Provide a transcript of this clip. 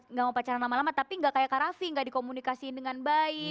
nggak mau pacaran lama lama tapi nggak kayak karafi nggak dikomunikasiin dengan baik